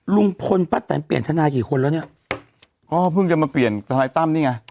ลุงพลป้าแตนเปลี่ยนทนายกี่คนแล้วเนี่ยก็เพิ่งจะมาเปลี่ยนทนายตั้มนี่ไง